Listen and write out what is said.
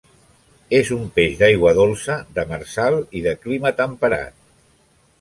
És un peix d'aigua dolça, demersal i de clima temperat.